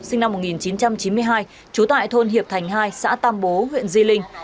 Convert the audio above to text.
sinh năm một nghìn chín trăm chín mươi hai trú tại thôn hiệp thành hai xã tam bố huyện di linh